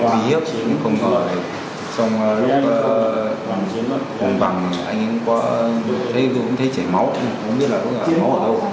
vì hiếp không ngờ xong lúc vòng vòng anh ấy cũng thấy chảy máu không biết là máu ở đâu